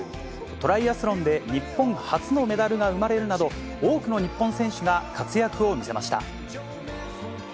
トライアスロンで日本初のメダルが生まれるなど、多くの日本選手が活躍を見せました。